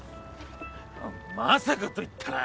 「まさか」と言ったな？